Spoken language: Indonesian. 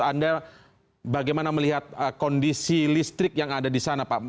anda bagaimana melihat kondisi listrik yang ada di sana pak